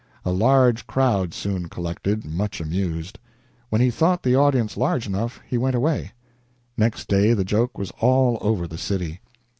A large crowd soon collected, much amused. When he thought the audience large enough, he went away. Next day the joke was all over the city.